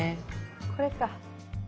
これか。